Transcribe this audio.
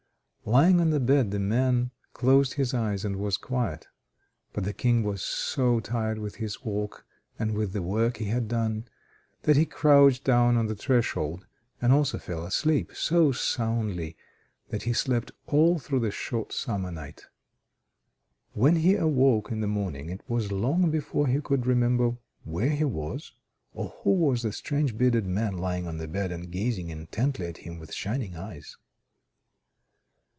Lying on the bed the man closed his eyes and was quiet; but the King was so tired with his walk and with the work he had done, that he crouched down on the threshold, and also fell asleep so soundly that he slept all through the short summer night. When he awoke in the morning, it was long before he could remember where he was, or who was the strange bearded man lying on the bed and gazing intently at him with shining eyes.